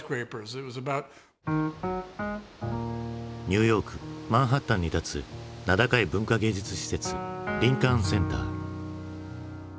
ニューヨークマンハッタンに立つ名高い文化芸術施設リンカーン・センター。